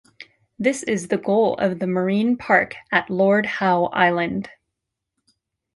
This is the goal of the marine park at Lord Howe Island.